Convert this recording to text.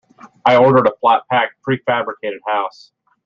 I ordered a flat-pack pre-fabricated house.